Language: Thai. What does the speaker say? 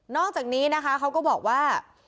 อกจากนี้นะคะเขาก็บอกว่า